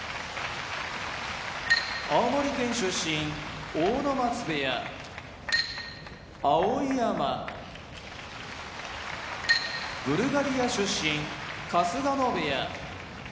青森県出身阿武松部屋碧山ブルガリア出身春日野部屋